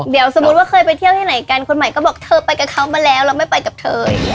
เดี๋ยวสมมติว่าเคยไปเที่ยวให้ไหนกันคนใหม่ก็บอกเธอไปกับเขามาแล้วเราไม่ไปกับเธอ